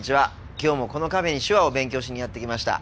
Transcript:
今日もこのカフェに手話を勉強しにやって来ました。